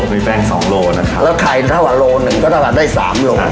มีแป้งสองโลนะคะแล้วไข่เท่าว่าโลหนึ่งก็เท่าว่าได้สามโล